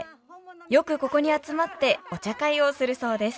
よくここに集まってお茶会をするそうです。